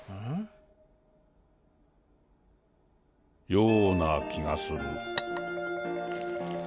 ような気がする。